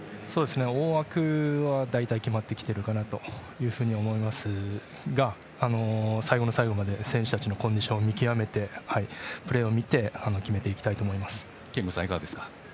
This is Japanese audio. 大枠は大体決まってきているかなと思いますが最後の最後まで選手たちのコンディションを見極めてプレーを見て決めていきたいと憲剛さん、いかがですか？